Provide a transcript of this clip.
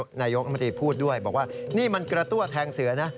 ธนายกบุรรณมตรีพูดด้วยบอกว่ากระตั่วแท้งเสือน่ะ